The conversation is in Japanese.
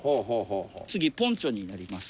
次ポンチョになります。